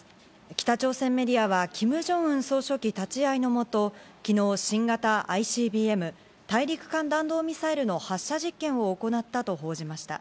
北朝鮮メディアはキム・ジョンウン総書記立ち会いのもと、昨日、新型ＩＣＢＭ＝大陸間弾道ミサイルの発射実験を行ったと報じました。